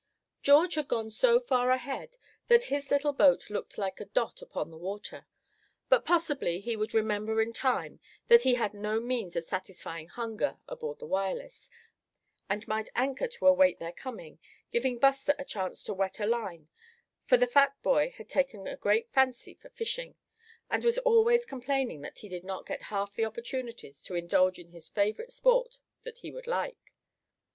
George had gone so far ahead that his little boat looked like a dot upon the water; but possibly he would remember in time that he had no means of satisfying hunger aboard the Wireless, and might anchor to await their coming, giving Buster a chance to wet a line, for the fat boy had taken a great fancy for fishing, and was always complaining that he did not get half the opportunities to indulge in his favorite sport that he would like.